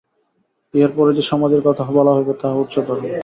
ইহার পরে যে সমাধির কথা বলা হইবে, তাহা উচ্চতর।